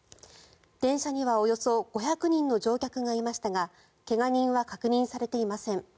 電車にはおよそ５００人の乗客がいましたが怪我人は確認されていません。